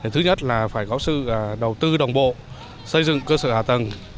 thứ nhất là phải có sự đầu tư đồng bộ xây dựng cơ sở hạ tầng